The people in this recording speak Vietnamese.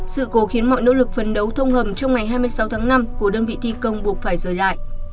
sự cố khiến mọi nỗ lực phấn đấu thông hầm trong ngày hai mươi sáu tháng năm của đơn vị thi công buộc phải rời lại